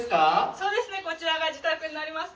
そうですねこちらが自宅になります。